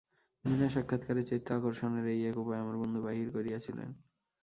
বিনা সাক্ষাৎকারে চিত্ত আকর্ষণের এই এক উপায় আমার বন্ধু বাহির করিয়াছিলেন।